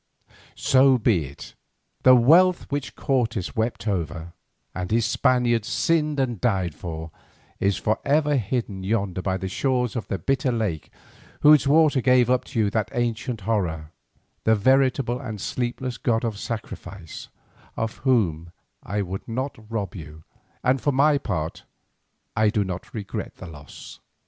So be it! The wealth which Cortes wept over, and his Spaniards sinned and died for, is for ever hidden yonder by the shores of the bitter lake whose waters gave up to you that ancient horror, the veritable and sleepless god of Sacrifice, of whom I would not rob you—and, for my part, I do not regret the loss.